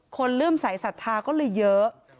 คนเริ่มใส่ศรัทธาก็เลยเยอะ